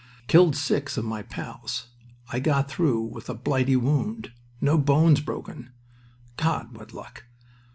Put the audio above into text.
Killed six of my pals. I've got through with a blighty wound. No bones broken... God! What luck!"